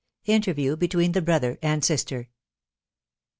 —INTERVIEW BETWEEN THE BROTHER AND SISTER.